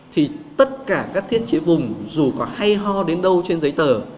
thì tất cả các thiết chế vùng dù có hay ho đến đâu trên giấy tờ